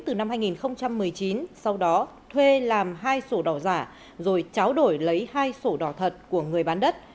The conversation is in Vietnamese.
từ năm hai nghìn một mươi chín sau đó thuê làm hai sổ đỏ giả rồi tráo đổi lấy hai sổ đỏ thật của người bán đất